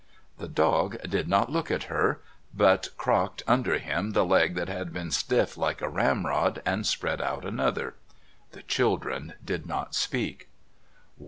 The dog did not look at her, but crocked under him the leg that had been stiff like a ramrod and spread out another. The children did not speak.